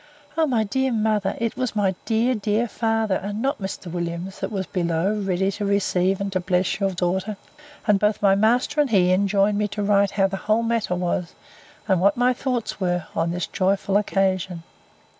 —O my dear mother, it was my dear, dear father, and not Mr. Williams, that was below ready to receive and to bless your daughter! and both my master and he enjoined me to write how the whole matter was, and what my thoughts were on this joyful occasion.